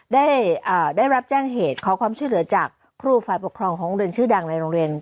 ได้รับแจ้งเหตุขอความช่วยเหลือจากครูฝ่ายปกครองของโรงเรียนชื่อดังในโรงเรียน